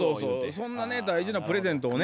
そんなね大事なプレゼントをね